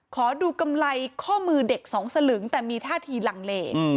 ขอดูกำไรข้อมือเด็กสองสลึงแต่มีท่าทีลังเล